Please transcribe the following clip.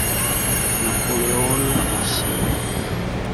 Napoleone Orsini